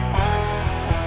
udah sam memohon